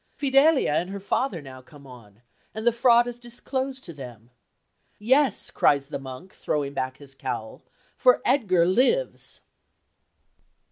Fidelia and her father now come on, and the fraud is disclosed to them. "Yes," cries the monk, throwing back his cowl, "for Edgar lives."